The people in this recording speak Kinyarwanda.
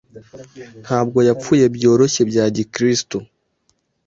Ntabwo yapfuye byoroshye bya gikristo